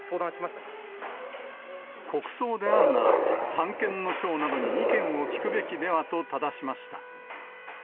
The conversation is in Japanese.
国葬であるなら、三権の長などに意見を聞くべきではとただしました。